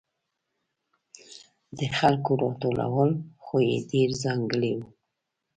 د خلکو راټولولو خوی یې ډېر ځانګړی و.